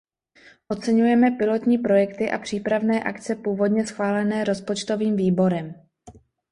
Oceňujeme pilotní projekty a přípravné akce původně schválené Rozpočtovým výborem.